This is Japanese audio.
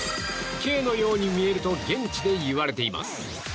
「Ｋ」のように見えると現地で言われています。